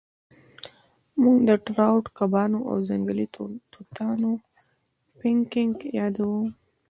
موږ د ټراوټ کبانو او ځنګلي توتانو پینکیک یادوو